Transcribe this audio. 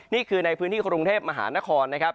นี่คือในพื้นที่กรุงเทพมหานครนะครับ